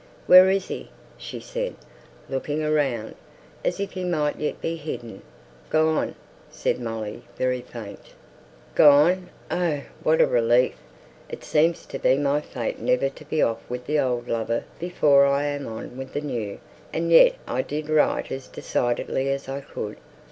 "Where is he?" she said, looking around, as if he might yet be hidden. "Gone!" said Molly, very faint. "Gone. Oh, what a relief! It seems to be my fate never to be off with the old lover before I am on with the new, and yet I did write as decidedly as I could.